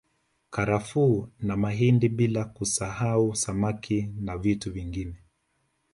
Karafuu na mahindi bila kusasahu samaki na vitu vingine